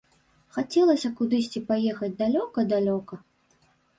Хацелася кудысьці паехаць далёка-далёка.